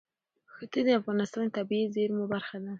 ښتې د افغانستان د طبیعي زیرمو برخه ده.